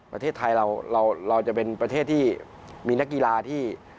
ประเทศไทยเราจะเป็นประเทศที่มีนักกีฬาที่